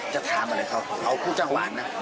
จะถามอะไรเขาเอาผู้จ้างหวานนะ